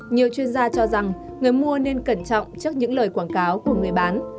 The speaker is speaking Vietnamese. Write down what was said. nhiều chuyên gia cho rằng người mua nên cẩn trọng trước những lời quảng cáo của người bán